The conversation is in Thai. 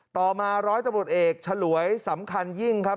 ต่อมาร้อยตำรวจเอกฉลวยสำคัญยิ่งครับ